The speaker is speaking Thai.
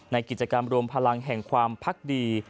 ในกิจกรรมรวมพลังแห่งความพักดี